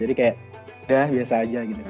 jadi kayak ya biasa aja gitu